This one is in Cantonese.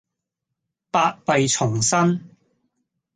百弊叢生